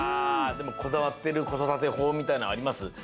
でもこだわってるこそだてほうみたいなのあります？